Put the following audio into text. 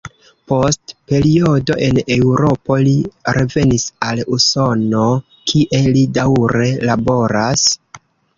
Post periodo en Eŭropo li revenis al Usono, kie li daŭre laboras.